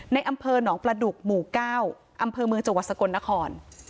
ในอำเภอหนองประดุกหมู่๙อำเภอเมืองจังหวัดสกลนคร